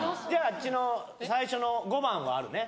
あっちの最初の５番はあるね